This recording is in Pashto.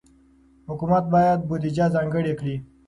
حکومت باید بودجه ځانګړې کړي.